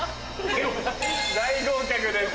大合格です。